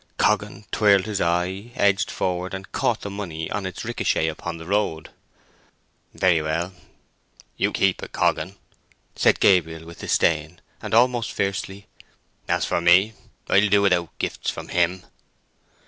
Coggan twirled his eye, edged forward, and caught the money in its ricochet upon the road. "Very well—you keep it, Coggan," said Gabriel with disdain and almost fiercely. "As for me, I'll do without gifts from him!"